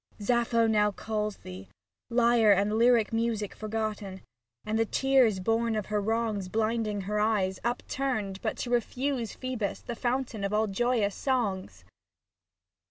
Sappho now calls thee, lyre and Lyric Muse Forgotten, and the tears born of her wrongs 56 SAPPHO TO PHAON Blinding her eyes, upturned but to refuse Phoebus, the fountain of all joyous sofigs.